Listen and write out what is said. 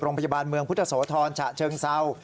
โรงพยาบาลเมืองพุทธโสธรฉะเชิงเศร้า